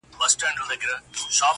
• په پردي لاس مار هم مه وژنه -